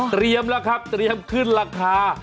เตรียมแล้วครับเตรียมขึ้นราคา